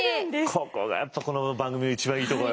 ここがこの番組の一番いいとこよ。